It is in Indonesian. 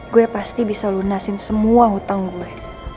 gue pasti bisa lunasin semua hutang gue